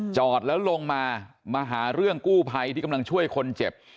จอดแล้วลงมามาหาเรื่องกู้ภัยที่กำลังช่วยคนเจ็บ